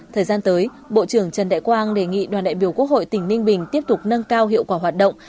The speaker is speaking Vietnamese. thời gian tới bộ trưởng trần đại quang đề nghị đoàn đại biểu quốc hội tỉnh ninh bình tiếp tục nâng cao hiệu quả hoạt động